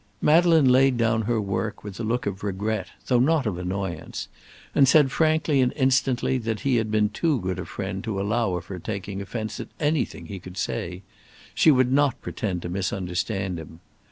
Madeleine laid down her work with a look of regret though not of annoyance, and said frankly and instantly that he had been too good a friend to allow of her taking offence at anything he could say; she would not pretend to misunderstand him.